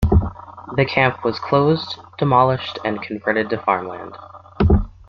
The camp was closed, demolished and converted to farmland.